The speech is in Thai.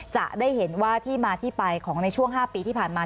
จะได้เห็นว่าที่มาที่ไปของในช่วง๕ปีที่ผ่านมา